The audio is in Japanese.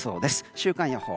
週間予報。